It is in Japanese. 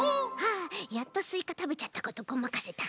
あやっとスイカたべちゃったことごまかせた。